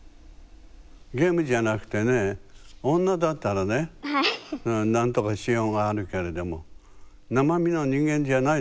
ゲームじゃなくてね女だったらねなんとかしようがあるけれども生身の人間じゃないですからね。